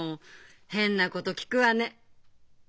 変なこと聞くわね。